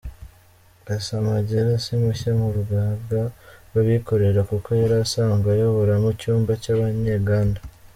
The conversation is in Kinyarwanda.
Gasamagera si mushya mu Rugaga rw’abikorera kuko yari asanzwe ayoboramo icyumba cy’abanyenganda.